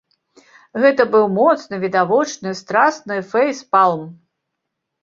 Гэта быў моцны, відавочны, страсны фэйспалм.